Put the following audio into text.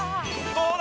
どうだ？